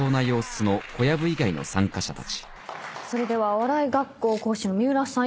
ではお笑い学校講師の三浦さん